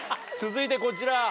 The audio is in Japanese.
続いてこちら！